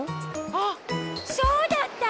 あっそうだった！